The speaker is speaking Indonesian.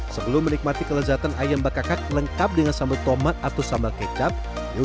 sebelum menikmati kelezatan ayam bakakak lengkap dengan sambal tomat atau sambal kecap yuk